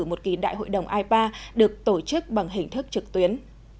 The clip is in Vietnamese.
một kỳ đại hội đồng ipa được tổ chức bằng hình thức trực tuyến